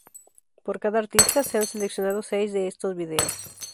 Por cada artista se han seleccionado seis de estos vídeos.